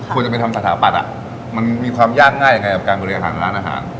ควรจะไปทำสถาปัตย์มันมีความยากง่ายยังไงกับการบริหารร้านอาหาร